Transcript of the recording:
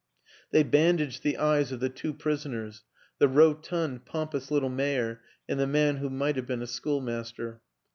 They bandaged the eyes of the two prisoners the rotund, pompous little mayor and the man who might have been a schoolmaster.